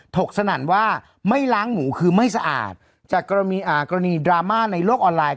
กสนั่นว่าไม่ล้างหมูคือไม่สะอาดจากกรณีดราม่าในโลกออนไลน